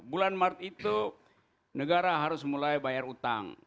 bulan maret itu negara harus mulai bayar utang